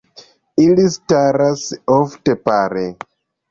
Ili staras ofte pare.